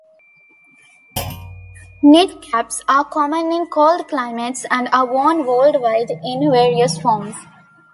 Knit caps are common in cold climates, and are worn worldwide in various forms.